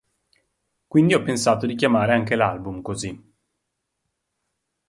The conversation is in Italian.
Quindi ho pensato di chiamare anche l'album così!